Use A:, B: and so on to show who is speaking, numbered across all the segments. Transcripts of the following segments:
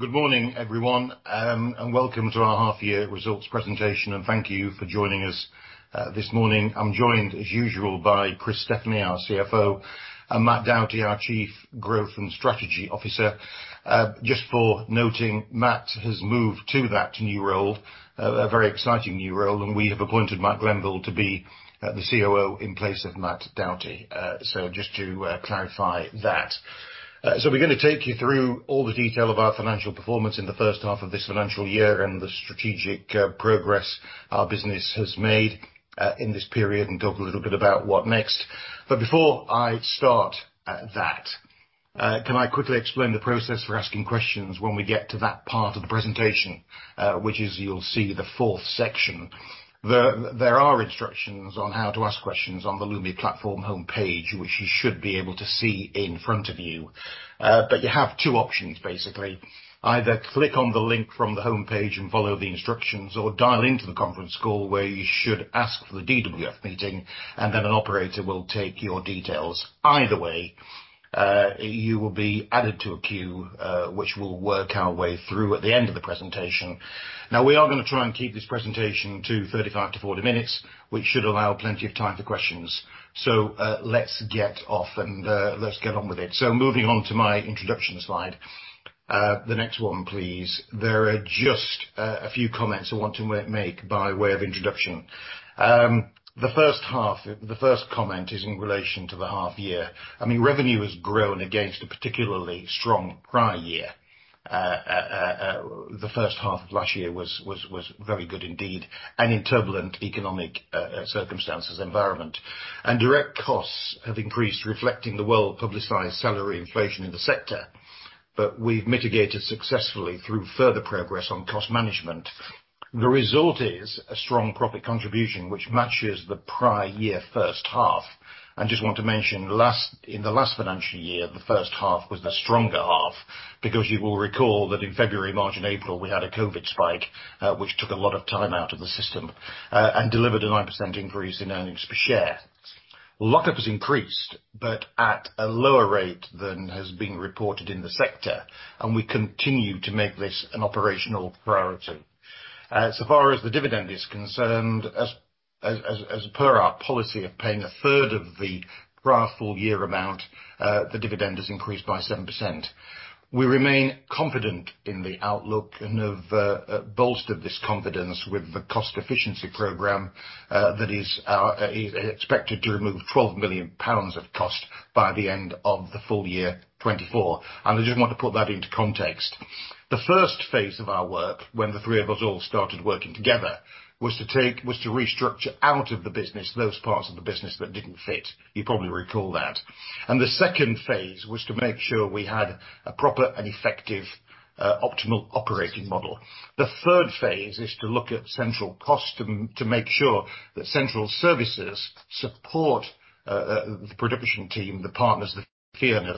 A: Good morning, everyone. Welcome to our half year results presentation, and thank you for joining us this morning. I'm joined, as usual, by Chris Stefani, our CFO, and Matthew Doughty, our Chief Growth and Strategy Officer. Just for noting, Matt has moved to that new role, a very exciting new role, and we have appointed Matthew Glenville to be the COO in place of Matthew Doughty. Just to clarify that. We're gonna take you through all the detail of our financial performance in the first half of this financial year and the strategic progress our business has made in this period and talk a little bit about what next. Before I start that, can I quickly explain the process for asking questions when we get to that part of the presentation, which is you'll see the fourth section. There are instructions on how to ask questions on the Lumi platform homepage, which you should be able to see in front of you. You have two options, basically. Either click on the link from the homepage and follow the instructions, or dial into the conference call where you should ask for the DWF meeting, and then an operator will take your details. Either way, you will be added to a queue, which we'll work our way through at the end of the presentation. We are going to try and keep this presentation to 35-40 minutes, which should allow plenty of time for questions. Let's get off and let's get on with it. Moving on to my introduction slide. The next one, please. There are just a few comments I want to make by way of introduction. The first half, the first comment is in relation to the half year. I mean, revenue has grown against a particularly strong prior year. The first half of last year was very good indeed, and in turbulent economic circumstances environment. Direct costs have increased, reflecting the well-publicized salary inflation in the sector. We've mitigated successfully through further progress on cost management. The result is a strong profit contribution, which matches the prior year first half. I just want to mention last, in the last financial year, the first half was the stronger half, because you will recall that in February, March and April, we had a COVID spike, which took a lot of time out of the system, and delivered a 9% increase in earnings per share. Lock-up has increased, but at a lower rate than has been reported in the sector, and we continue to make this an operational priority. So far as the dividend is concerned, as per our policy of paying a third of the prior full year amount, the dividend has increased by 7%. We remain confident in the outlook and have bolstered this confidence with the cost efficiency program that is expected to remove 12 million pounds of cost by the end of the full year 2024. I just want to put that into context. The first phase of our work, when the three of us all started working together, was to restructure out of the business those parts of the business that didn't fit. You probably recall that. The second phase was to make sure we had a proper and effective, optimal operating model. The third phase is to look at central custom to make sure that central services support the production team, the partners, the...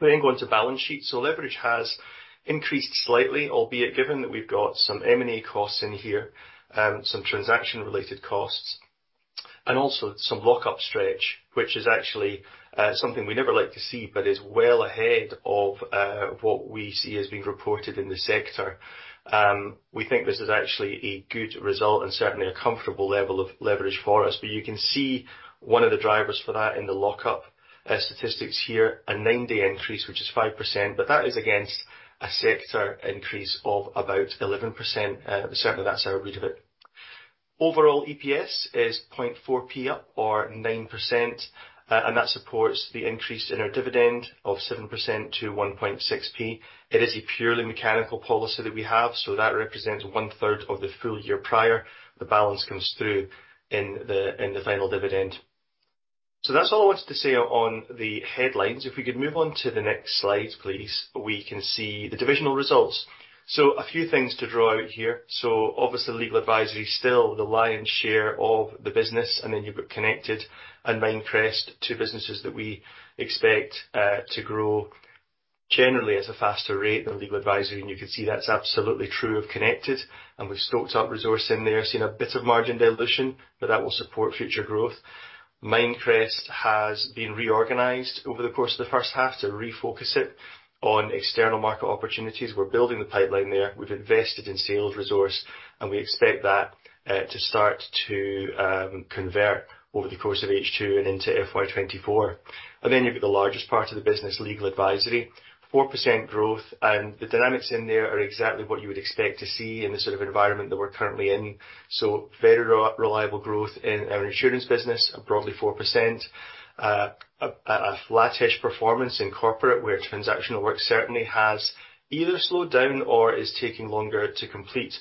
B: Go on to balance sheet. Leverage has increased slightly, albeit given that we've got some M&A costs in here, some transaction-related costs, and also some lock-up stretch, which is actually something we never like to see but is well ahead of what we see as being reported in the sector. We think this is actually a good result and certainly a comfortable level of leverage for us. You can see one of the drivers for that in the lock-up statistics here, a nine-day increase, which is 5%, but that is against a sector increase of about 11%, certainly that's our read of it. Overall EPS is 0.4 P up or 9%, and that supports the increase in our dividend of 7% to 1.6 P. It is a purely mechanical policy that we have, so that represents one third of the full year prior. The balance comes through in the final dividend. That's all I wanted to say on the headlines. If we could move on to the next slide, please, we can see the divisional results. A few things to draw out here. Obviously Legal Advisory still the lion's share of the business, and then you've got Connected and Mindcrest, two businesses that we expect to grow generally at a faster rate than Legal Advisory. You can see that's absolutely true of Connected, and we've stoked up resource in there, seeing a bit of margin dilution, but that will support future growth. Mindcrest has been reorganized over the course of the first half to refocus it on external market opportunities. We're building the pipeline there. We've invested in sales resource; we expect that to start to convert over the course of H2 and into FY24. You've got the largest part of the business, Legal Advisory, 4% growth. The dynamics in there are exactly what you would expect to see in the sort of environment that we're currently in. Very reliable growth in our insurance business, broadly 4%. A flattish performance in corporate, where transactional work certainly has either slowed down or is taking longer to complete.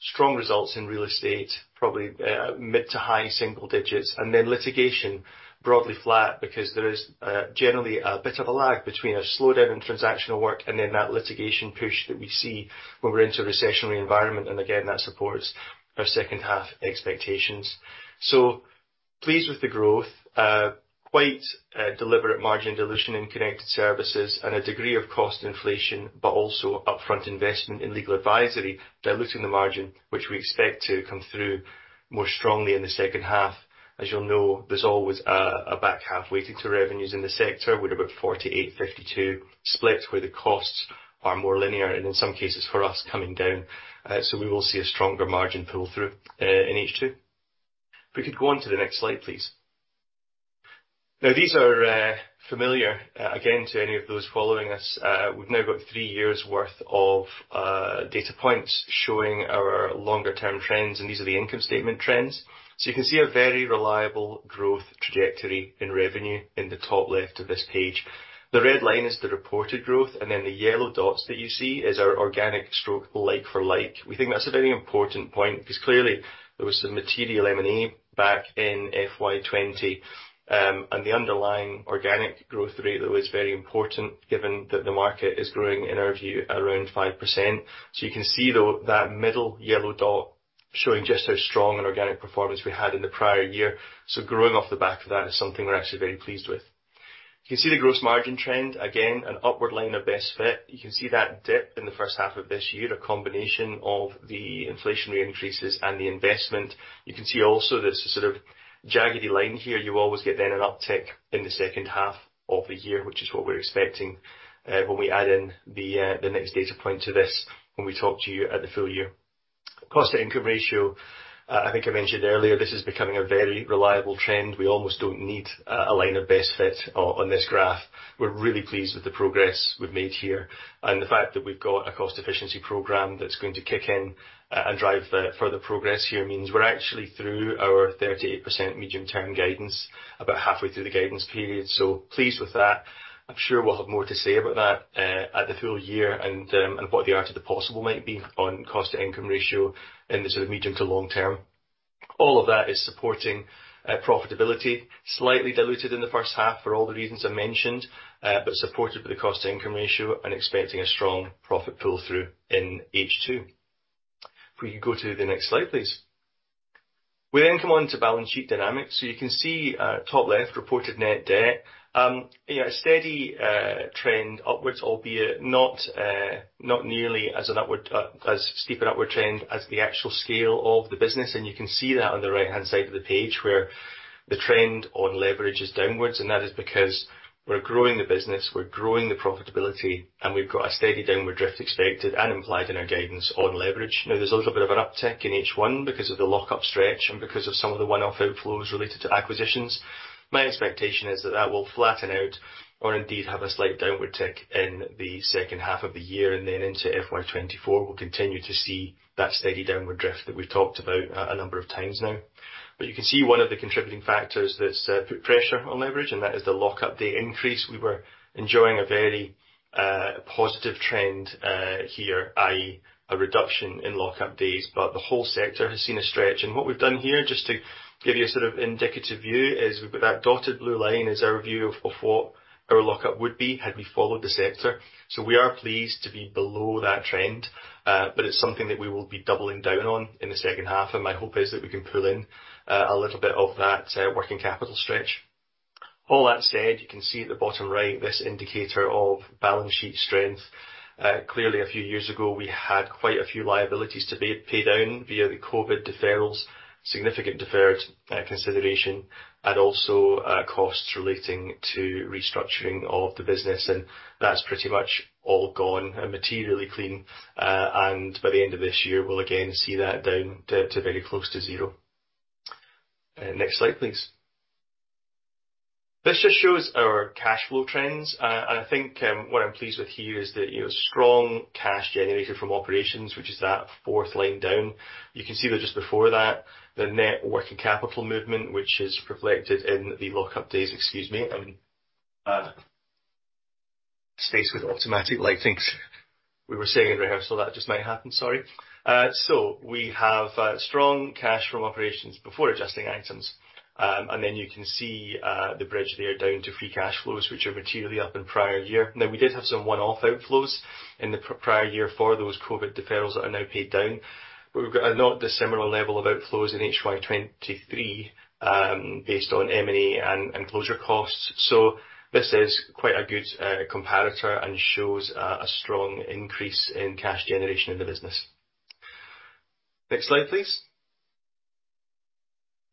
B: Strong results in real estate, probably mid to high single digits, and then litigation broadly flat because there is generally a bit of a lag between a slowdown in transactional work and then that litigation push that we see when we're into a recessionary environment. Again, that supports our second-half expectations. Pleased with the growth, quite deliberate margin dilution in Connected Services and a degree of cost inflation, but also upfront investment in Legal Advisory, diluting the margin, which we expect to come through more strongly in the second half. As you'll know, there's always a back half weighting to revenues in the sector with about 48/52 split where the costs are more linear and in some cases for us coming down. We will see a stronger margin pull through in H2. If we could go on to the next slide, please. These are familiar, again, to any of those following us. We've now got 3 years' worth of data points showing our longer-term trends, and these are the income statement trends. You can see a very reliable growth trajectory in revenue in the top left of this page. The red line is the reported growth, and then the yellow dots that you see is our organic stroke like for like. We think that's a very important point because clearly there was some material M&A back in FY20. The underlying organic growth rate though is very important given that the market is growing, in our view, around 5%. You can see though that middle yellow dot showing just how strong an organic performance we had in the prior year. Growing off the back of that is something we're actually very pleased with. You can see the gross margin trend, again, an upward line of best fit. You can see that dip in the first half of this year, a combination of the inflationary increases and the investment. You can see also this sort of jaggedy line here. You always get an uptick in the second half of the year, which is what we're expecting, when we add in the next data point to this when we talk to you at the full year. Cost to income ratio, I think I mentioned earlier, this is becoming a very reliable trend. We almost don't need a line of best fit on this graph. We're really pleased with the progress we've made here and the fact that we've got a cost efficiency program that's going to kick in and drive the further progress here means we're actually through our 38% medium-term guidance about halfway through the guidance period. Pleased with that. I'm sure we'll have more to say about that at the full year and what the art of the possible might be on cost to income ratio in the sort of medium to long term. All of that is supporting profitability, slightly diluted in the first half for all the reasons I mentioned, but supported by the cost to income ratio and expecting a strong profit pull through in H2. If we could go to the next slide, please. We then come on to balance sheet dynamics. You can see, top left, reported net debt. Yeah, a steady trend upwards, albeit not not nearly as an upward as steep an upward trend as the actual scale of the business. You can see that on the right-hand side of the page, where the trend on leverage is downwards. That is because we're growing the business, we're growing the profitability, and we've got a steady downward drift expected and implied in our guidance on leverage. Now, there's a little bit of an uptick in H1 because of the lockup stretch and because of some of the one-off outflows related to acquisitions. My expectation is that that will flatten out or indeed have a slight downward tick in the second half of the year and then into FY24. We'll continue to see that steady downward drift that we've talked about a number of times now. You can see one of the contributing factors that's put pressure on leverage, and that is the lockup day increase. We were enjoying a very positive trend here, i.e., a reduction in lock-up days, but the whole sector has seen a stretch. What we've done here, just to give you a sort of indicative view, is we've got that dotted blue line is our view of what our lock-up would be had we followed the sector. We are pleased to be below that trend, but it's something that we will be doubling down on in the second half. My hope is that we can pull in a little bit of that working capital stretch. All that said, you can see at the bottom right, this indicator of balance sheet strength. Clearly, a few years ago, we had quite a few liabilities to be paid down via the COVID deferrals, significant deferred consideration, and also costs relating to restructuring of the business. That's pretty much all gone and materially clean. By the end of this year, we'll again see that down to very close to zero. Next slide, please. This just shows our cash flow trends. I think, what I'm pleased with here is the, you know, strong cash generated from operations, which is that fourth line down. You can see that just before that, the net working capital movement, which is reflected in the lock-up days... Excuse me. I mean, space with automatic lightings. We were saying in rehearsal that just might happen. Sorry. We have strong cash from operations before adjusting items. You can see the bridge there down to free cash flows, which are materially up in prior year. We did have some one-off outflows in the prior year for those COVID deferrals that are now paid down. We've got a not dissimilar level of outflows in FY23 based on M&A and enclosure costs. This is quite a good comparator and shows a strong increase in cash generation of the business. Next slide, please.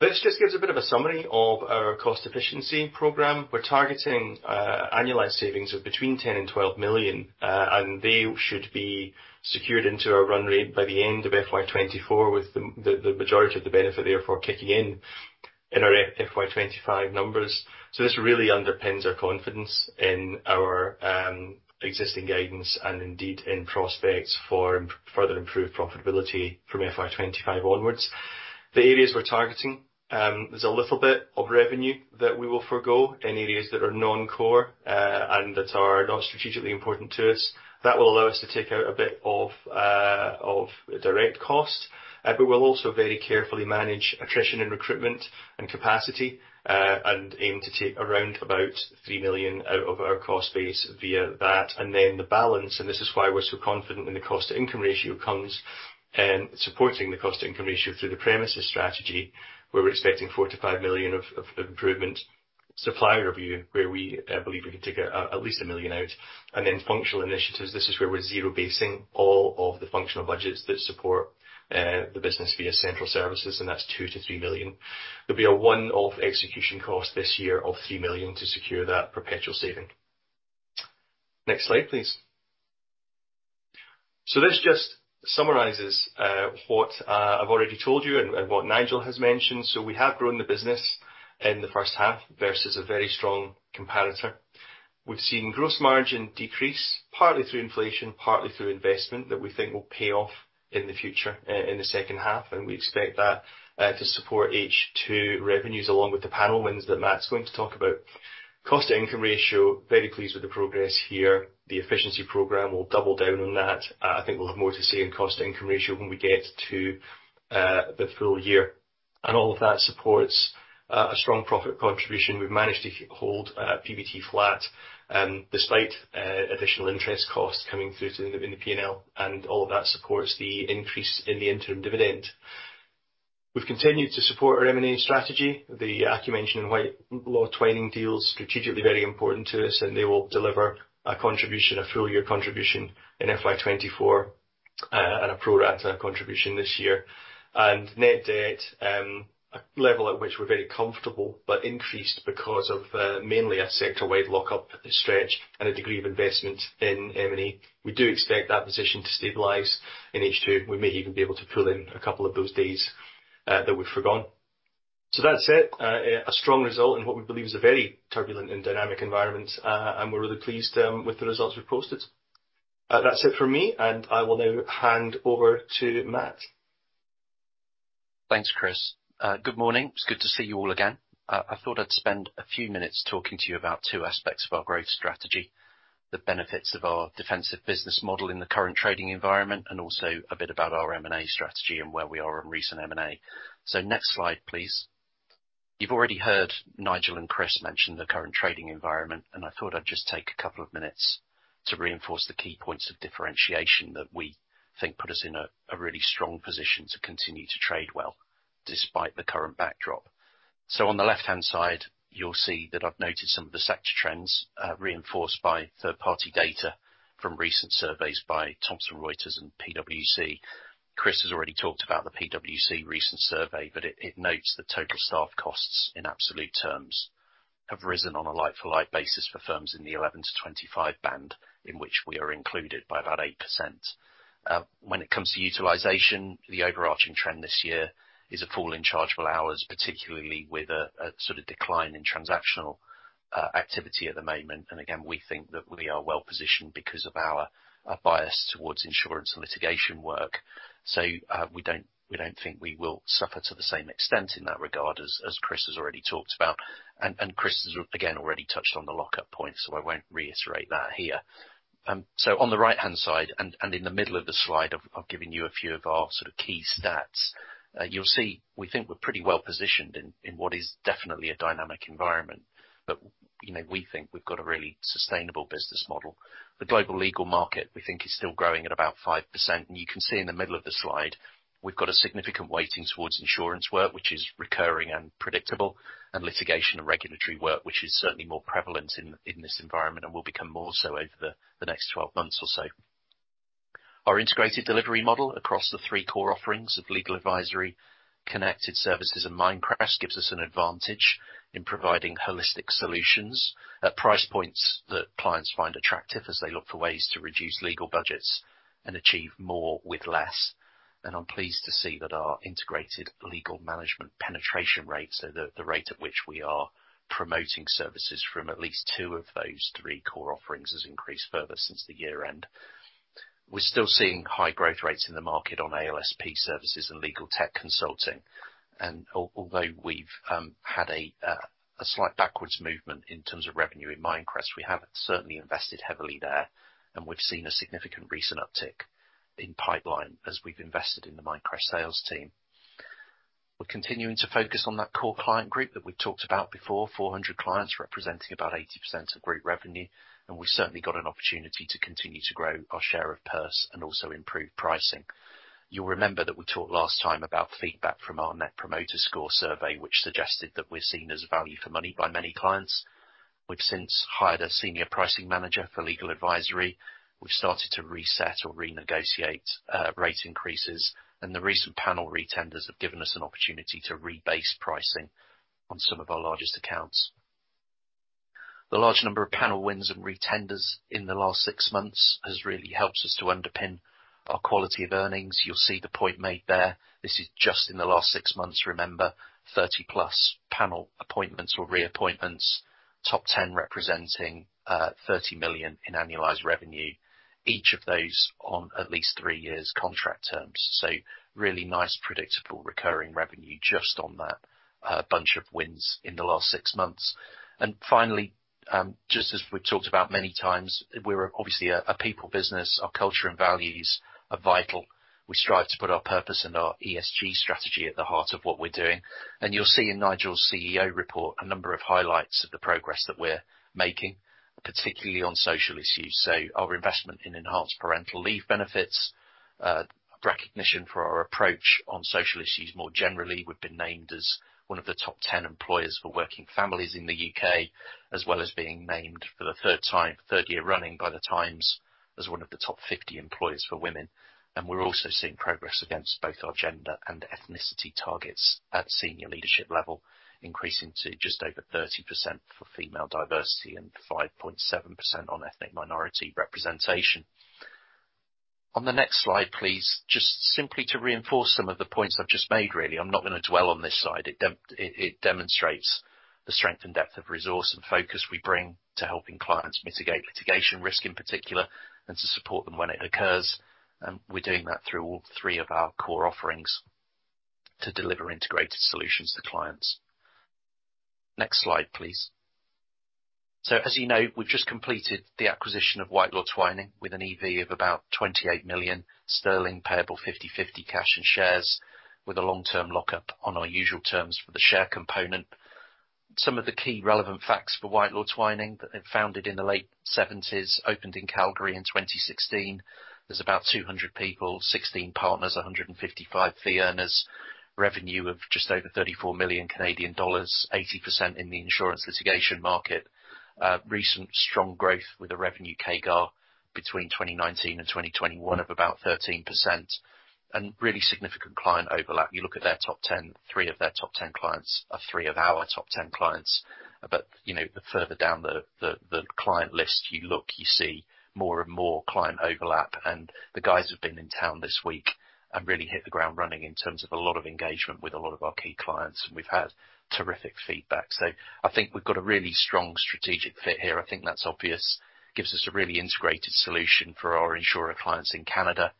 B: This just gives a bit of a summary of our cost efficiency program. We're targeting annualized savings of between 10 million and 12 million, and they should be secured into our run rate by the end of FY24, with the majority of the benefit therefore kicking in our FY25 numbers. This really underpins our confidence in our existing guidance and indeed in prospects for further improved profitability from FY25 onwards. The areas we're targeting, there's a little bit of revenue that we will forgo in areas that are non-core and that are not strategically important to us. That will allow us to take out a bit of direct cost, but we'll also very carefully manage attrition and recruitment and capacity and aim to take around about 3 million out of our cost base via that. The balance, and this is why we're so confident when the cost to income ratio comes, supporting the cost to income ratio through the premises strategy, where we're expecting 4 million-5 million of improvement. Supplier review, where we believe we can take at least 1 million out. Functional initiatives, this is where we're zero-basing all of the functional budgets that support the business via central services, and that's 2 million-3 million. There'll be a one-off execution cost this year of 3 million to secure that perpetual saving. Next slide, please. This just summarizes what I've already told you and what Nigel has mentioned. We have grown the business in the first half versus a very strong comparator. We've seen gross margin decrease, partly through inflation, partly through investment that we think will pay off in the future, in the second half, and we expect that to support H2 revenues, along with the panel wins that Matt's going to talk about. cost to income ratio. Very pleased with the progress here. The efficiency program will double down on that. I think we'll have more to see in cost to income ratio when we get to the full year. All of that supports a strong profit contribution. We've managed to hold PBT flat despite additional interest costs coming through in the P&L, all of that supports the increase in the interim dividend. We've continued to support our M&A strategy, the Acumension and Whitelaw Twining deals, strategically very important to us, and they will deliver a contribution, a full-year contribution in FY24, and a pro rata contribution this year. Net debt, a level at which we're very comfortable, but increased because of mainly a sector-wide lock-up stretch and a degree of investment in M&A. We do expect that position to stabilize in H2. We may even be able to pull in a couple of those days that we've forgone. That's it, a strong result in what we believe is a very turbulent and dynamic environment, and we're really pleased with the results we've posted. That's it for me, and I will now hand over to Matt.
C: Thanks, Chris. Good morning. It's good to see you all again. I thought I'd spend a few minutes talking to you about two aspects of our growth strategy, the benefits of our defensive business model in the current trading environment, and also a bit about our M&A strategy and where we are on recent M&A. Next slide, please. You've already heard Nigel and Chris mention the current trading environment, and I thought I'd just take a couple of minutes to reinforce the key points of differentiation that we think put us in a really strong position to continue to trade well despite the current backdrop. On the left-hand side, you'll see that I've noted some of the sector trends, reinforced by third-party data from recent surveys by Thomson Reuters and PwC. Chris has already talked about the PwC recent survey, it notes that total staff costs in absolute terms have risen on a like-for-like basis for firms in the 11-25 band, in which we are included, by about 8%. When it comes to utilization, the overarching trend this year is a fall in chargeable hours, particularly with a sort of decline in transactional activity at the moment. Again, we think that we are well-positioned because of our bias towards insurance and litigation work. We don't think we will suffer to the same extent in that regard as Chris has already talked about. Chris has, again, already touched on the lock-up point, I won't reiterate that here. On the right-hand side and in the middle of the slide, I've given you a few of our sort of key stats. You'll see, we think we're pretty well-positioned in what is definitely a dynamic environment. You know, we think we've got a really sustainable business model. The global legal market, we think, is still growing at about 5%. You can see in the middle of the slide, we've got a significant weighting towards insurance work, which is recurring and predictable, and litigation and regulatory work, which is certainly more prevalent in this environment and will become more so over the next 12 months or so. Our integrated delivery model across the three core offerings of Legal Advisory, Connected Services and Mindcrest gives us an advantage in providing holistic solutions at price points that clients find attractive as they look for ways to reduce legal budgets and achieve more with less. I'm pleased to see that our Integrated Legal Management penetration rates are the rate at which we are promoting services from at least two of those three core offerings has increased further since the year end. We're still seeing high growth rates in the market on ALSP services and legal tech consulting. Although we've had a slight backwards movement in terms of revenue in Mindcrest, we have certainly invested heavily there, and we've seen a significant recent uptick in pipeline as we've invested in the Mindcrest sales team. We're continuing to focus on that core client group that we've talked about before, 400 clients representing about 80% of group revenue, and we've certainly got an opportunity to continue to grow our share of purse and also improve pricing. You'll remember that we talked last time about feedback from our Net Promoter Score survey, which suggested that we're seen as value for money by many clients. We've since hired a senior pricing manager for Legal Advisory. We've started to reset or renegotiate rate increases, and the recent panel retenders have given us an opportunity to rebase pricing on some of our largest accounts. The large number of panel wins and retenders in the last six months has really helped us to underpin our quality of earnings. You'll see the point made there. This is just in the last 6 months, remember, 30-plus panel appointments or reappointments, top 10 representing 30 million in annualized revenue, each of those on at least 3 years contract terms. Really nice, predictable recurring revenue just on that bunch of wins in the last 6 months. Finally, just as we've talked about many times, we're obviously a people business. Our culture and values are vital. We strive to put our purpose and our ESG strategy at the heart of what we're doing. You'll see in Nigel's CEO report a number of highlights of the progress that we're making, particularly on social issues. Our investment in enhanced parental leave benefits, recognition for our approach on social issues more generally. We've been named as one of the top 10 employers for working families in the UK, as well as being named for the 3rd time, 3rd year running by The Times as one of the top 50 employers for women. We're also seeing progress against both our gender and ethnicity targets at senior leadership level, increasing to just over 30% for female diversity and 5.7% on ethnic minority representation. On the next slide, please, just simply to reinforce some of the points I've just made really. I'm not gonna dwell on this slide. It demonstrates the strength and depth of resource and focus we bring to helping clients mitigate litigation risk in particular and to support them when it occurs. We're doing that through all three of our core offerings to deliver integrated solutions to clients. Next slide, please. As you know, we've just completed the acquisition of Whitelaw Twining with an EV of about 28 million sterling, payable 50/50 cash and shares, with a long-term lock-up on our usual terms for the share component. Some of the key relevant facts for Whitelaw Twining, founded in the late 70s, opened in Calgary in 2016. There's about 200 people, 16 partners, 155 fee earners, revenue of just over 34 million Canadian dollars, 80% in the insurance litigation market. Recent strong growth with a revenue CAGR between 2019 and 2021 of about 13% and really significant client overlap. You look at their top 10, 3 of their top 10 clients are 3 of our top 10 clients. You know, the further down the, the client list you look, you see more and more client overlap. The guys have been in town this week and really hit the ground running in terms of a lot of engagement with a lot of our key clients, and we've had terrific feedback. I think we've got a really strong strategic fit here. I think that's obvious. Gives us a really integrated solution for our insurer clients in Canada,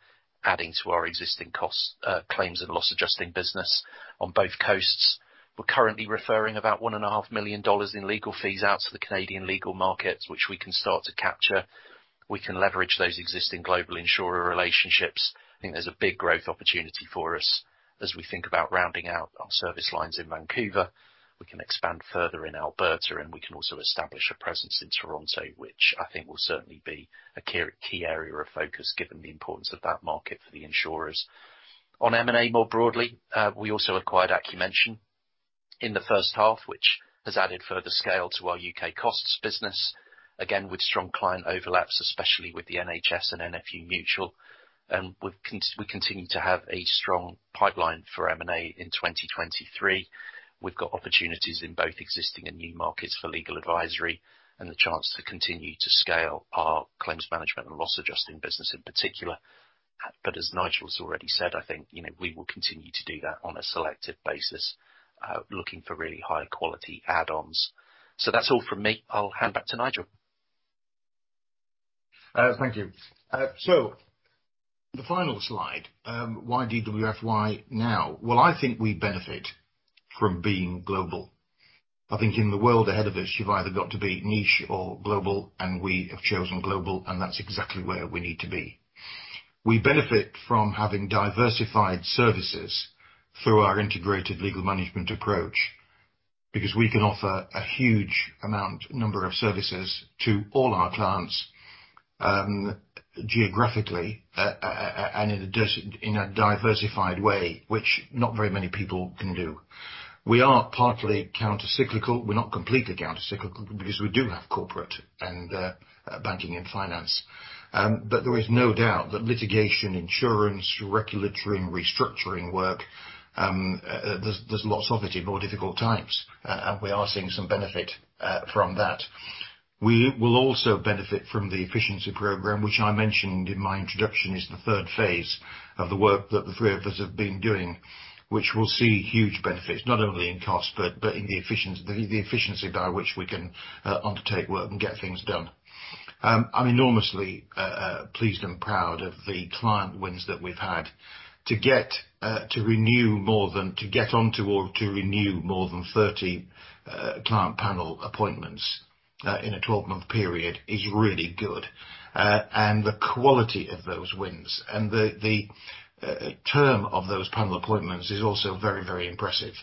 C: adding to our existing costs, claims and loss adjusting business on both coasts. We're currently referring about one and a half million dollars in legal fees out to the Canadian legal market, which we can start to capture. We can leverage those existing global insurer relationships. I think there's a big growth opportunity for us as we think about rounding out our service lines in Vancouver. We can expand further in Alberta, and we can also establish a presence in Toronto, which I think will certainly be a key area of focus given the importance of that market for the insurers. On M&A more broadly, we also acquired Acumension in the first half, which has added further scale to our UK costs business. Again, with strong client overlaps, especially with the NHS and NFU Mutual. We continue to have a strong pipeline for M&A in 2023. We've got opportunities in both existing and new markets for Legal Advisory and the chance to continue to scale our claims management and loss adjusting business in particular. As Nigel's already said, I think, you know, we will continue to do that on a selective basis, looking for really high-quality add-ons. That's all from me. I'll hand back to Nigel.
A: Thank you. So the final slide, why DWF now? Well, I think we benefit from being global. I think in the world ahead of us, you've either got to be niche or global, and we have chosen global, and that's exactly where we need to be. We benefit from having diversified services through our Integrated Legal Management approach because we can offer a huge number of services to all our clients, geographically, and in a diversified way, which not very many people can do. We are partly counter-cyclical. We're not completely counter-cyclical because we do have corporate and banking and finance. There is no doubt that litigation, insurance, regulatory, and restructuring work, there's lots of it in more difficult times, and we are seeing some benefit from that. We will also benefit from the efficiency program, which I mentioned in my introduction is the third phase of the work that the three of us have been doing, which will see huge benefits not only in cost but in the efficiency by which we can undertake work and get things done. I'm enormously pleased and proud of the client wins that we've had. To get on to or to renew more than 30 client panel appointments in a 12-month period is really good. The quality of those wins and the term of those panel appointments is also very, very impressive.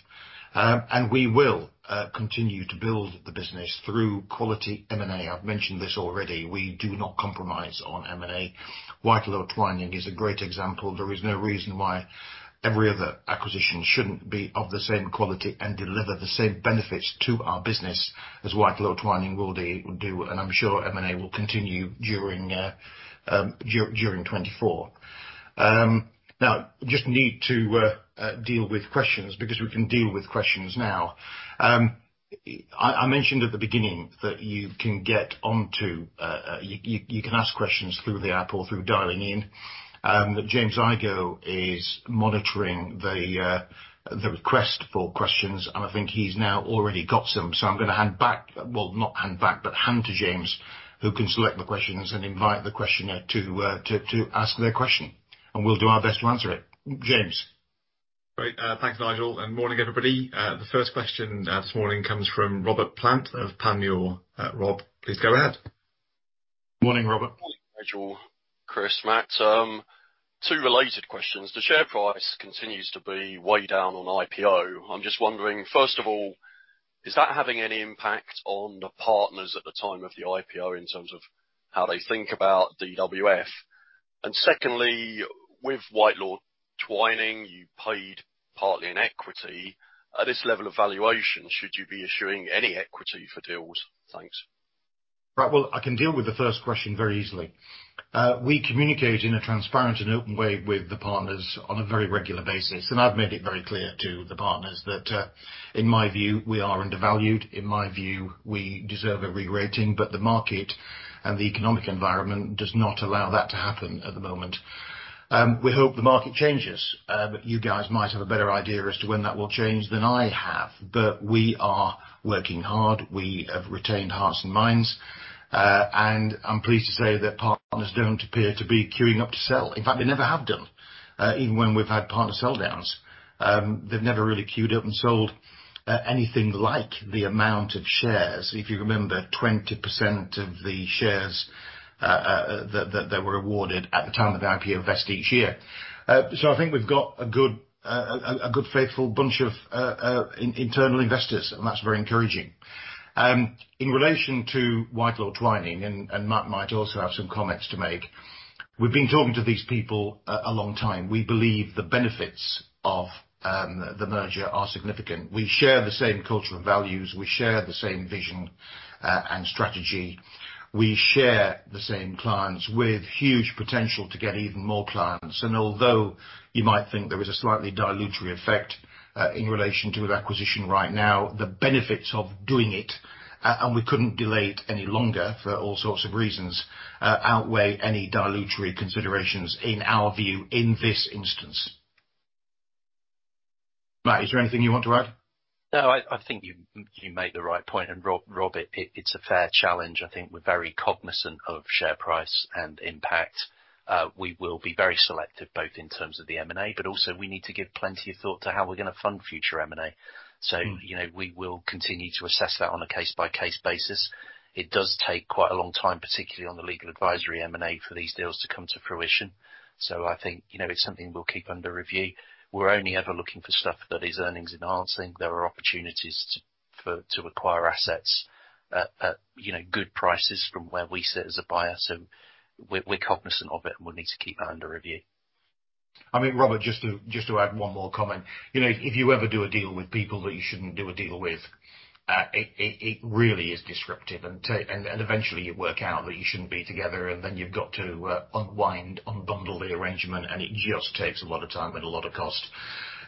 A: We will continue to build the business through quality M&A. I've mentioned this already. We do not compromise on M&A. Whitelaw Twining is a great example. There is no reason why every other acquisition shouldn't be of the same quality and deliver the same benefits to our business as Whitelaw Twining will do. I'm sure M&A will continue during 2024. Now just need to deal with questions because we can deal with questions now. I mentioned at the beginning that you can get onto, you can ask questions through the app or through dialing in, that James Igoe is monitoring the request for questions, and I think he's now already got some. I'm gonna hand back, well, not hand back, but hand to James, who can select the questions and invite the questioner to ask their question, and we'll do our best to answer it. James.
D: Great. thanks, Nigel. Morning, everybody. The first question, this morning comes from Robert Sanders of Panmure Gordon. Rob, please go ahead.
A: Morning, Robert.
E: Morning, Nigel, Chris, Matt. Two related questions. The share price continues to be way down on IPO. I'm just wondering, first of all, is that having any impact on the partners at the time of the IPO in terms of how they think about DWF? Secondly, with Whitelaw Twining, you paid partly in equity. At this level of valuation, should you be issuing any equity for deals? Thanks.
A: Right. Well, I can deal with the first question very easily. We communicate in a transparent and open way with the partners on a very regular basis, and I've made it very clear to the partners that, in my view, we are undervalued. In my view, we deserve a re-rating, but the market and the economic environment does not allow that to happen at the moment. We hope the market changes, but you guys might have a better idea as to when that will change than I have. We are working hard. We have retained hearts and minds, and I'm pleased to say that partners don't appear to be queuing up to sell. In fact, they never have done, even when we've had partner sell downs. They've never really queued up and sold, anything like the amount of shares. If you remember, 20% of the shares that were awarded at the time of the IPO vest each year. I think we've got a good faithful bunch of internal investors, and that's very encouraging. In relation to Whitelaw Twining, and Matt might also have some comments to make, we've been talking to these people a long time. We believe the benefits of the merger are significant. We share the same cultural values. We share the same vision and strategy. We share the same clients with huge potential to get even more clients. Although you might think there is a slightly dilutory effect, in relation to an acquisition right now, the benefits of doing it, and we couldn't delay it any longer for all sorts of reasons, outweigh any dilutory considerations in our view in this instance. Matt, is there anything you want to add?
C: No, I think you made the right point. Rob, it's a fair challenge. I think we're very cognizant of share price and impact. We will be very selective, both in terms of the M&A, but also we need to give plenty of thought to how we're gonna fund future M&A.
A: Mm.
C: You know, we will continue to assess that on a case-by-case basis. It does take quite a long time, particularly on the Legal Advisory M&A, for these deals to come to fruition. I think, you know, it's something we'll keep under review. We're only ever looking for stuff that is earnings enhancing. There are opportunities to acquire assets at, you know, good prices from where we sit as a buyer. We're cognizant of it, and we'll need to keep that under review.
A: I mean, Robert, just to add one more comment. You know, if you ever do a deal with people that you shouldn't do a deal with, it really is disruptive and eventually you work out that you shouldn't be together, and then you've got to unwind, unbundle the arrangement, and it just takes a lot of time and a lot of cost.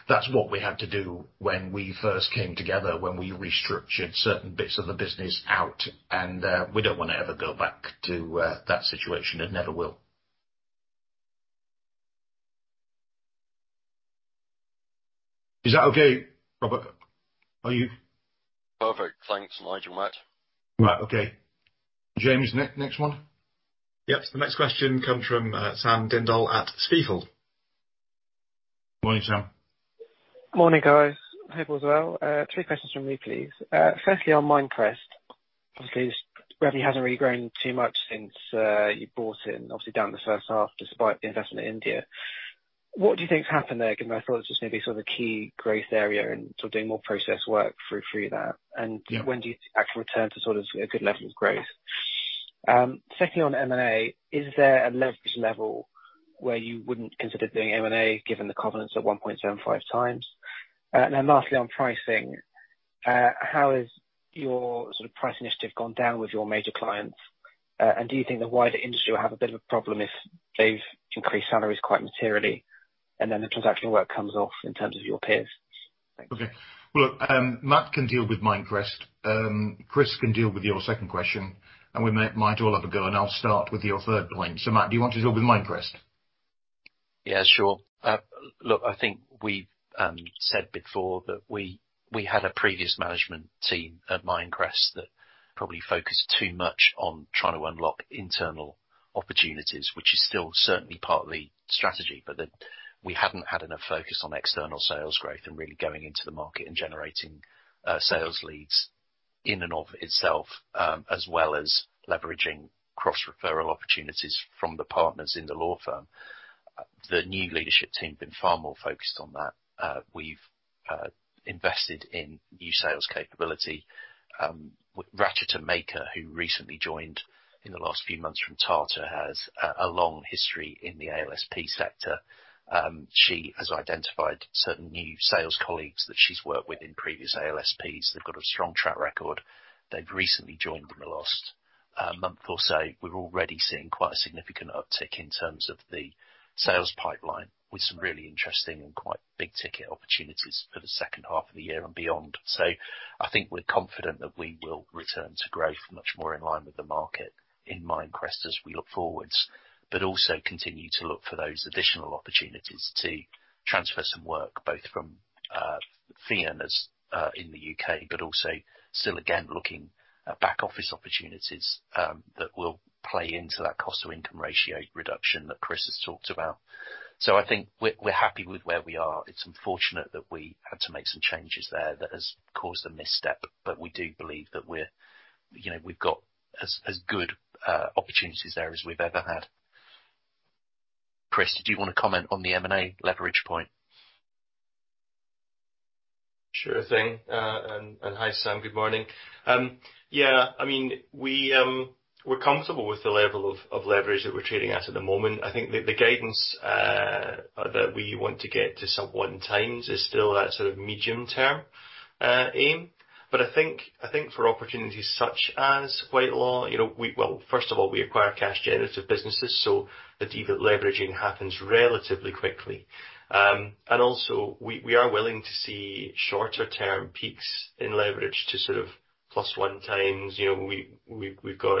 A: That's what we had to do when we first came together, when we restructured certain bits of the business out, and we don't wanna ever go back to that situation, and never will. Is that okay, Robert? Are you-
E: Perfect. Thanks, Nigel, Matt.
A: Right. Okay. James, next one.
D: Yep. The next question comes from, Sam Dindol at Stifel.
A: Morning, Sam.
F: Morning, guys. Hope all is well. 3 questions from me, please. Firstly on Mindcrest, obviously this revenue hasn't really grown too much since you bought it and obviously down in H1, despite the investment in India. What do you think has happened there? Given I thought it was just maybe sort of a key growth area and sort of doing more process work through that.
A: Yeah.
F: When do you actually return to sort of a good level of growth? Secondly on M&A, is there a leverage level where you wouldn't consider doing M&A given the covenants at 1.75x? Now lastly, on pricing, how is your sort of price initiative gone down with your major clients? Do you think the wider industry will have a bit of a problem if they've increased salaries quite materially and then the transaction work comes off in terms of your peers? Thanks.
A: Okay. Well, Matt can deal with Mindcrest. Chris can deal with your second question, and we might all have a go, and I'll start with your third point. Matt, do you want to deal with Mindcrest?
C: Yeah, sure. Look, I think we said before that we had a previous management team at Mindcrest that probably focused too much on trying to unlock internal opportunities, which is still certainly part of the strategy, but that we hadn't had enough focus on external sales growth and really going into the market and generating sales leads in and of itself, as well as leveraging cross-referral opportunities from the partners in the law firm. The new leadership team have been far more focused on that. We've invested in new sales capability. Seema Bains, who recently joined in the last few months from Tata, has a long history in the ALSP sector. She has identified certain new sales colleagues that she's worked with in previous ALSPs. They've got a strong track record. They've recently joined in the last month or so. We're already seeing quite a significant uptick in terms of the sales pipeline, with some really interesting and quite big ticket opportunities for the second half of the year and beyond. I think we're confident that we will return to growth much more in line with the market in Mindcrest as we look forwards, but also continue to look for those additional opportunities to transfer some work, both from fee earners in the U.K., but also still again looking at back office opportunities that will play into that cost to income ratio reduction that Chris has talked about. I think we're happy with where we are. It's unfortunate that we had to make some changes there that has caused a misstep, but we do believe that we're, you know, we've got as good, opportunities there as we've ever had. Chris, did you wanna comment on the M&A leverage point?
B: Sure thing. Hi Sam, good morning. Yeah, I mean, we're comfortable with the level of leverage that we're trading at at the moment. I think the guidance that we want to get to some 1 times is still that sort of medium term aim. I think for opportunities such as Whitelaw, you know, first of all, we acquire cash generative businesses, the de-leveraging happens relatively quickly. Also we are willing to see shorter term peaks in leverage to sort of plus 1 times. You know, we've got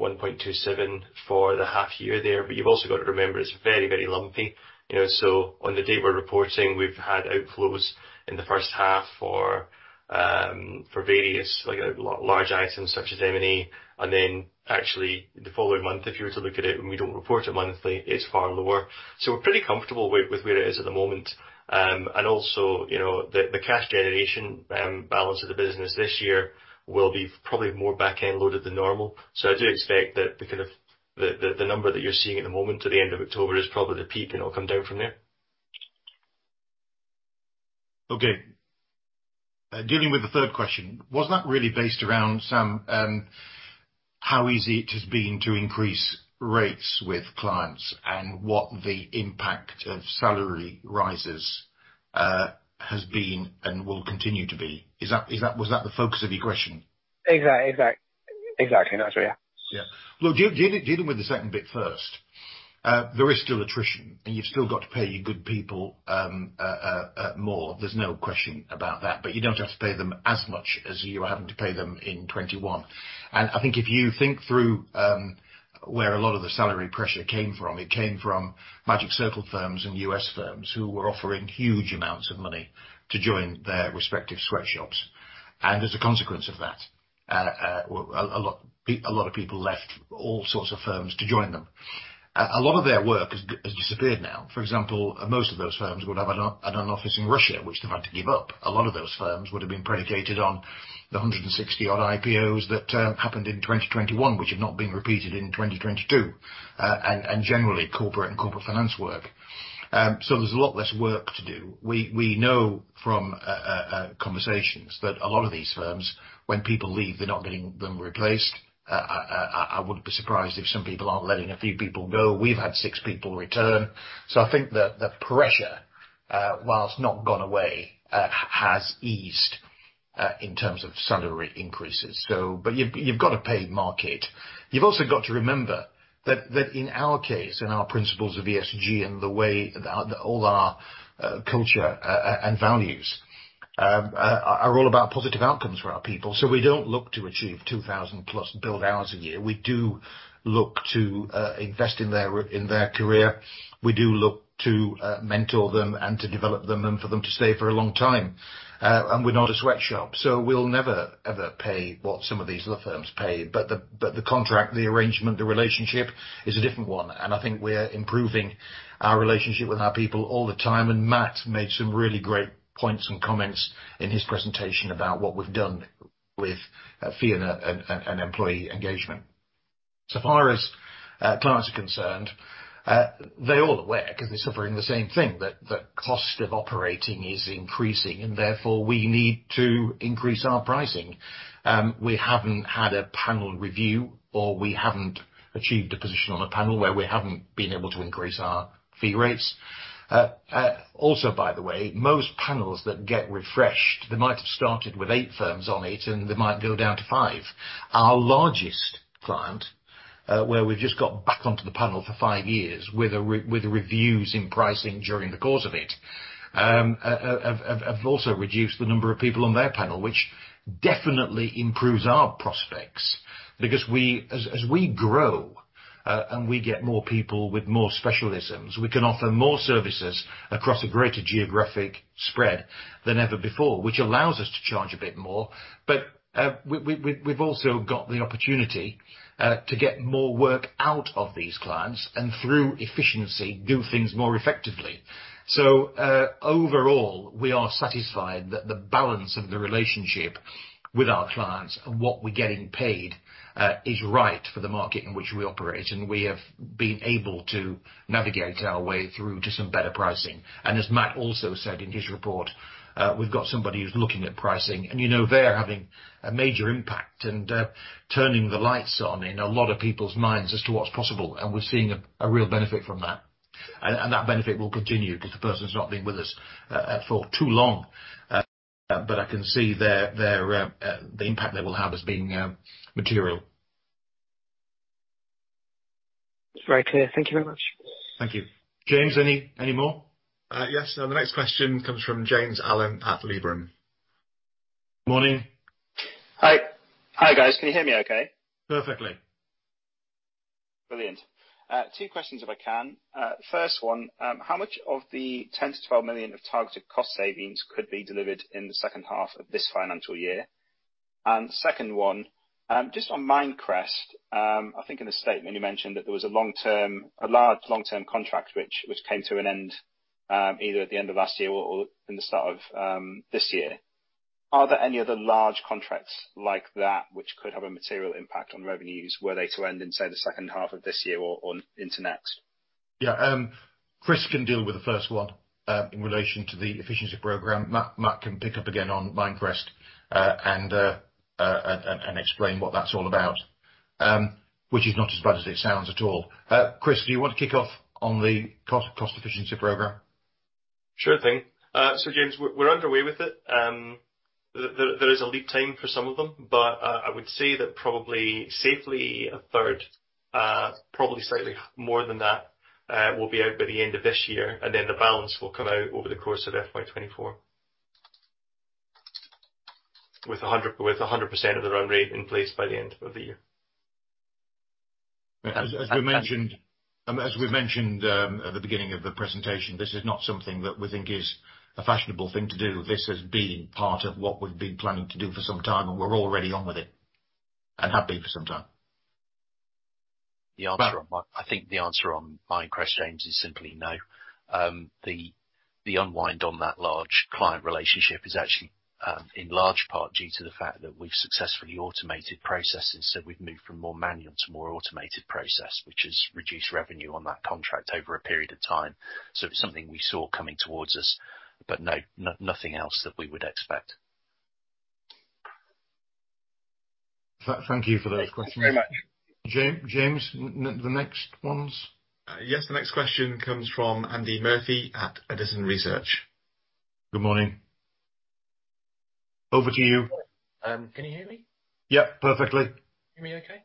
B: 1.27 for the half year there, you've also got to remember it's very lumpy. You know, so on the date we're reporting, we've had outflows in the first half for various, like, large items such as M&A, and then actually the following month, if you were to look at it, and we don't report it monthly, it's far lower. We're pretty comfortable with where it is at the moment. Also, you know, the cash generation balance of the business this year will be probably more back-end loaded than normal. I do expect that the kind of... The number that you're seeing at the moment to the end of October is probably the peak and it'll come down from there.
A: Okay. Dealing with the third question, was that really based around, Sam, how easy it has been to increase rates with clients and what the impact of salary rises has been and will continue to be? Is that, was that the focus of your question?
F: Exactly. That's right. Yeah.
A: Yeah. Look, dealing with the second bit first, there is still attrition, and you've still got to pay your good people more. There's no question about that. You don't have to pay them as much as you were having to pay them in 2021. I think if you think through where a lot of the salary pressure came from, it came from Magic Circle firms and US firms who were offering huge amounts of money to join their respective sweatshops. As a consequence of that, a lot of people left all sorts of firms to join them. A lot of their work has disappeared now. For example, most of those firms would have an office in Russia, which they've had to give up. A lot of those firms would have been predicated on the 160 odd IPOs that happened in 2021, which have not been repeated in 2022. Generally corporate and corporate finance work. There's a lot less work to do. We know from conversations that a lot of these firms, when people leave, they're not getting them replaced. I wouldn't be surprised if some people aren't letting a few people go. We've had six people return. I think the pressure, whilst not gone away, has eased in terms of salary increases. You've got to pay market. You've also got to remember that in our case, in our principles of ESG and the way all our culture and values are all about positive outcomes for our people. We don't look to achieve 2,000+ billed hours a year. We do look to invest in their career. We do look to mentor them and to develop them and for them to stay for a long time. We're not a sweatshop, so we'll never, ever pay what some of these other firms pay. The contract, the arrangement, the relationship is a different one, and I think we're improving our relationship with our people all the time. Matt made some really great points and comments in his presentation about what we've done with fee and employee engagement. Far as clients are concerned, they're all aware 'cause they're suffering the same thing. The cost of operating is increasing, and therefore we need to increase our pricing. We haven't had a panel review, or we haven't achieved a position on a panel where we haven't been able to increase our fee rates. By the way, most panels that get refreshed, they might have started with eight firms on it, and they might go down to five. Our largest client, where we've just got back onto the panel for five years with reviews in pricing during the course of it, have also reduced the number of people on their panel, which definitely improves our prospects. As we grow, and we get more people with more specialisms, we can offer more services across a greater geographic spread than ever before, which allows us to charge a bit more. We've also got the opportunity to get more work out of these clients and through efficiency, do things more effectively. Overall, we are satisfied that the balance of the relationship with our clients and what we're getting paid is right for the market in which we operate. We have been able to navigate our way through to some better pricing. As Matt also said in his report, we've got somebody who's looking at pricing, and you know they're having a major impact and turning the lights on in a lot of people's minds as to what's possible, and we're seeing a real benefit from that. That benefit will continue 'cause the person's not been with us for too long. I can see the impact they will have as being material.
F: It's very clear. Thank you very much.
A: Thank you. James, any more?
D: Yes. The next question comes from James Allen at Liberum.
A: Morning.
G: Hi. Hi, guys. Can you hear me okay?
A: Perfectly.
G: Brilliant. Two questions if I can. First one, how much of the 10 million-12 millions of targeted cost savings could be delivered in the second half of this financial year? Second one, just on Mindcrest. I think in the statement you mentioned that there was a large long-term contract which came to an end either at the end of last year or in the start of this year. Are there any other large contracts like that which could have a material impact on revenues were they to end in, say, the second half of this year or into next?
A: Yeah. Chris can deal with the first one in relation to the efficiency program. Matt can pick up again on Mindcrest and explain what that's all about, which is not as bad as it sounds at all. Chris, do you want to kick off on the cost efficiency program?
B: Sure thing. James, we're underway with it. There is a lead time for some of them, but I would say that probably safely a third, probably slightly more than that, will be out by the end of this year, and then the balance will come out over the course of FY24. With 100% of the run rate in place by the end of the year.
A: As we mentioned, at the beginning of the presentation, this is not something that we think is a fashionable thing to do. This has been part of what we've been planning to do for some time, and we're already on with it and have been for some time. Matt?
C: I think the answer on Mindcrest, James, is simply no. The unwind on that large client relationship is actually, in large part due to the fact that we've successfully automated processes. We've moved from more manual to more automated process, which has reduced revenue on that contract over a period of time. It's something we saw coming towards us. No, nothing else that we would expect.
A: Thank you for those questions.
G: Thanks very much.
A: James, the next ones?
D: Yes, the next question comes from Andy Murphy at Edison Group.
A: Good morning. Over to you.
H: Can you hear me?
A: Yep, perfectly.
H: Hear me okay?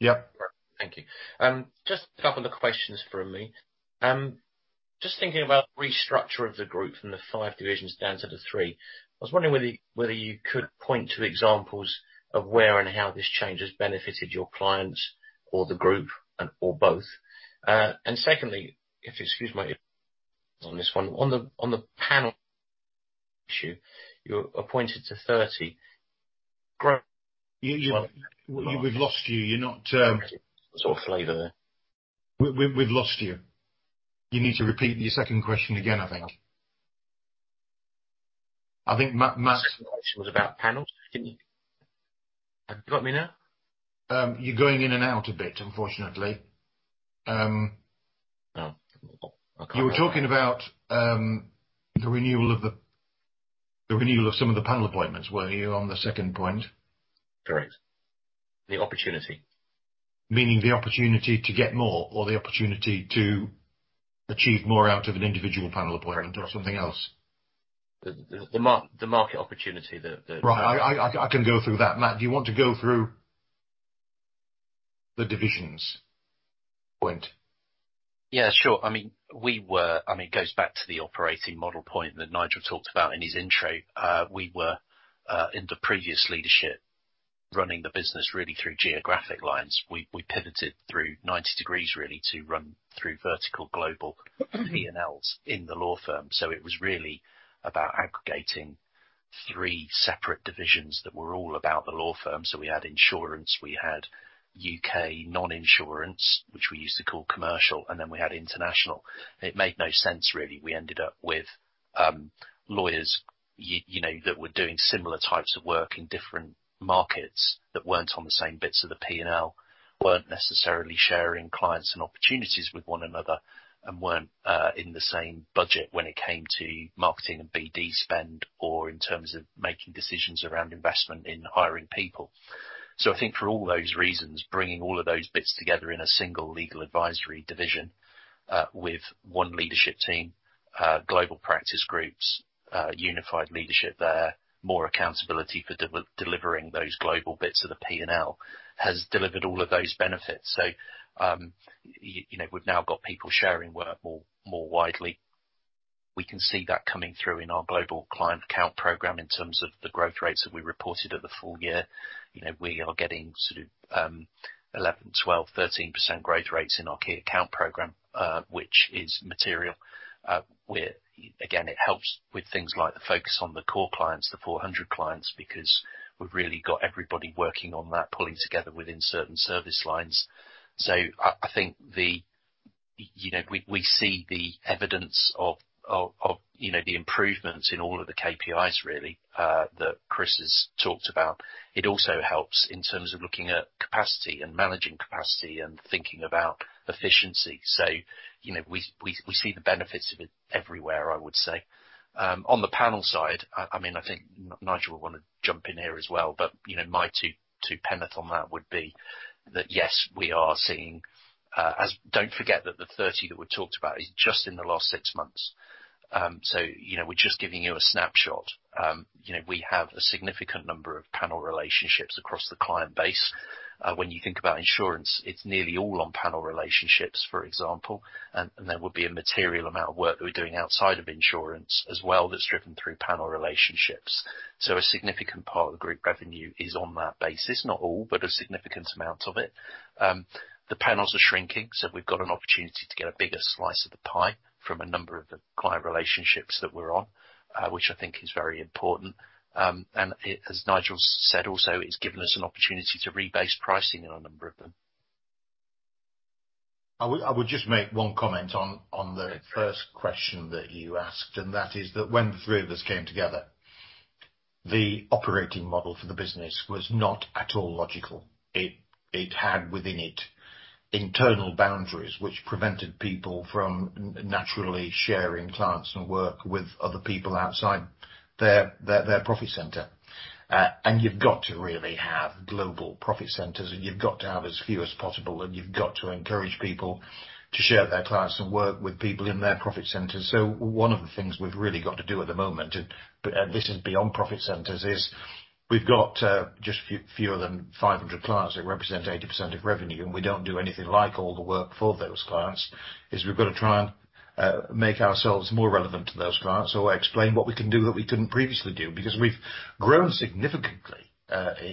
A: Yep.
H: Thank you. Just a couple of questions from me. Just thinking about restructure of the group from the five divisions down to the three. I was wondering whether you could point to examples of where and how this change has benefited your clients or the group and/or both? Secondly, if you excuse my on this one. On the panel you're appointed to 30
A: You... We've lost you. You're not,
H: sort of flavor there.
A: We've lost you. You need to repeat your second question again, I think. I think Matt.
H: The second question was about panels. Have you got me now?
A: You're going in and out a bit, unfortunately.
H: Oh. Okay.
A: You were talking about the renewal of some of the panel appointments, were you, on the second point?
H: Correct. The opportunity.
A: Meaning the opportunity to get more, or the opportunity to achieve more out of an individual panel appointment or something else?
H: The market opportunity.
A: Right. I can go through that. Matt, do you want to go through the divisions point?
C: Yeah, sure. I mean, it goes back to the operating model point that Nigel talked about in his intro. We were in the previous leadership running the business really through geographic lines. We pivoted through 90 degrees really to run through vertical global P&Ls in the law firm. It was really about aggregating three separate divisions that were all about the law firm. We had insurance, we had UK non-insurance, which we used to call commercial, and then we had international. It made no sense really. We ended up with lawyers, you know, that were doing similar types of work in different markets that weren't on the same bits of the P&L, weren't necessarily sharing clients and opportunities with one another, and weren't in the same budget when it came to marketing and BD spend, or in terms of making decisions around investment in hiring people. I think for all those reasons, bringing all of those bits together in a single Legal Advisory division, with one leadership team, global practice groups, unified leadership there, more accountability for delivering those global bits of the P&L has delivered all of those benefits. You know, we've now got people sharing work more widely. We can see that coming through in our global client count program in terms of the growth rates that we reported at the full year. You know, we are getting sort of 11%, 12%, 13% growth rates in our key account program, which is material. Again, it helps with things like the focus on the core clients, the 400 clients, because we've really got everybody working on that, pulling together within certain service lines. I think the. You know, we see the evidence of, you know, the improvements in all of the KPIs really that Chris has talked about. It also helps in terms of looking at capacity and managing capacity and thinking about efficiency. You know, we see the benefits of it everywhere, I would say. On the panel side, I mean, I think Nigel will wanna jump in here as well, but, you know, my two penneth on that would be that, yes, we are seeing. Don't forget that the 30 that we talked about is just in the last 6 months. You know, we're just giving you a snapshot. You know, we have a significant number of panel relationships across the client base. When you think about insurance, it's nearly all on panel relationships, for example. There would be a material amount of work that we're doing outside of insurance as well that's driven through panel relationships. A significant part of the group revenue is on that basis. Not all, but a significant amount of it. The panels are shrinking. We've got an opportunity to get a bigger slice of the pie from a number of the client relationships that we're on, which I think is very important. As Nigel said also, it's given us an opportunity to rebase pricing on a number of them.
A: I would just make one comment on the first question that you asked, and that is that when the three of us came together, the operating model for the business was not at all logical. It had within it internal boundaries which prevented people from naturally sharing clients and work with other people outside their profit center. You've got to really have global profit centers, and you've got to have as few as possible, and you've got to encourage people to share their clients and work with people in their profit centers. One of the things we've really got to do at the moment, and this is beyond profit centers, is we've got just fewer than 500 clients that represent 80% of revenue, and we don't do anything like all the work for those clients. We've got to try and make ourselves more relevant to those clients, or explain what we can do that we couldn't previously do. Because we've grown significantly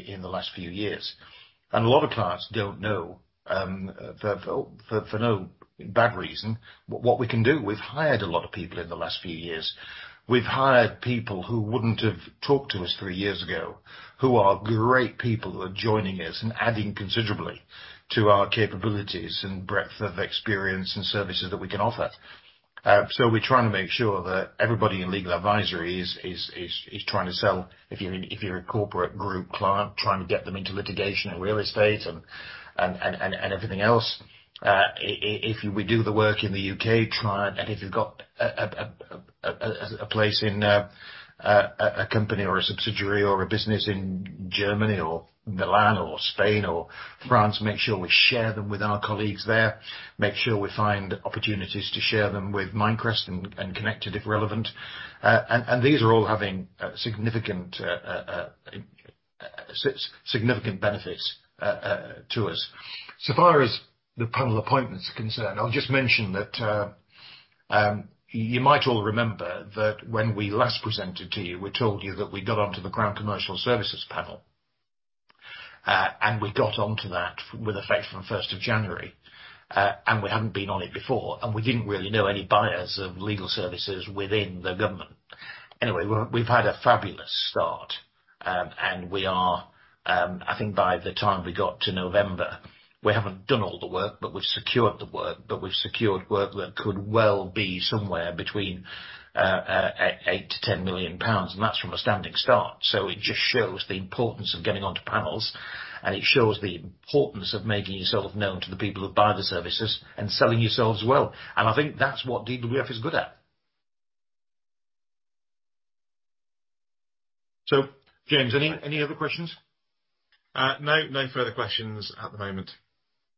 A: in the last few years, and a lot of clients don't know, for no bad reason, what we can do. We've hired a lot of people in the last few years. We've hired people who wouldn't have talked to us three years ago, who are great people that are joining us and adding considerably to our capabilities and breadth of experience and services that we can offer. We're trying to make sure that everybody in Legal Advisory is trying to sell. If you're a corporate group client, trying to get them into litigation and real estate and everything else. If we do the work in the U.K. client, if you've got a company or a subsidiary or a business in Germany or Milan or Spain or France, make sure we share them with our colleagues there, make sure we find opportunities to share them with Mindcrest and Connected, if relevant. These are all having significant benefits to us. Far as the panel appointment's concerned, I'll just mention that you might all remember that when we last presented to you, we told you that we got onto the Crown Commercial Service Panel. We got onto that with effect from 1st of January, we hadn't been on it before, we didn't really know any buyers of legal services within the government. Anyway, we've had a fabulous start, and we are, I think by the time we got to November, we haven't done all the work, but we've secured the work. We've secured work that could well be somewhere between 8 million-10 million pounds, and that's from a standing start. It just shows the importance of getting onto panels, and it shows the importance of making yourself known to the people that buy the services and selling yourselves well. I think that's what DWF is good at. James, any other questions?
D: No. No further questions at the moment.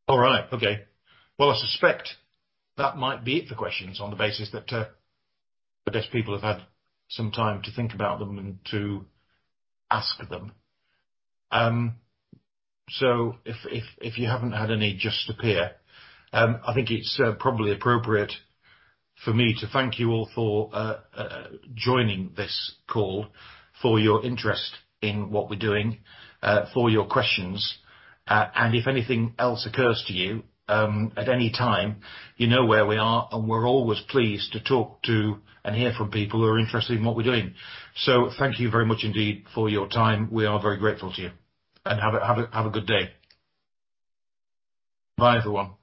A: All right. Okay. Well, I suspect that might be it for questions on the basis that, I guess people have had some time to think about them and to ask them. If you haven't had any just appear, I think it's probably appropriate for me to thank you all for joining this call, for your interest in what we're doing, for your questions. If anything else occurs to you, at any time, you know where we are, and we're always pleased to talk to and hear from people who are interested in what we're doing. Thank you very much indeed for your time. We are very grateful to you. Have a good day. Bye everyone.